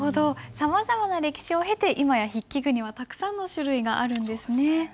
さまざまな歴史を経て今や筆記具にはたくさんの種類があるんですね。